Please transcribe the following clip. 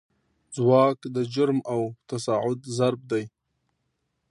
ځواک د جرم او تساعد ضرب دی.